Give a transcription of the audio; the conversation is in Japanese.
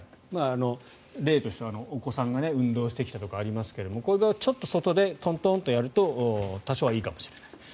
例としては、お子さんが運動してきたとかありますがこういう場合はちょっと外でトントンとやると多少はいいかもしれない。